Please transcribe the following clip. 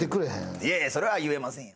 いやいやそれは言えませんよ。